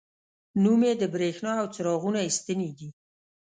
نوم یې د بریښنا او څراغونو ستنې دي.